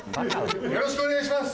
よろしくお願いします。